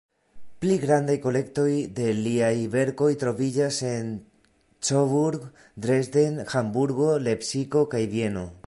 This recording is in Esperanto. Pli grandaj kolektoj de liaj verkoj troviĝas en Coburg, Dresden, Hamburgo, Lepsiko kaj Vieno.